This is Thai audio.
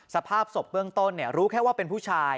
สภาพศพเบื้องต้นรู้แค่ว่าเป็นผู้ชาย